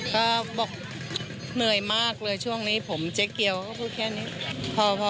ก็บอกเหนื่อยมากเลยช่วงนี้ผมเจ๊เกียวก็พูดแค่นี้พอ